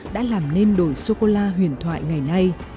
đã làm nên đồi sô cô la huyền thoại ngày nay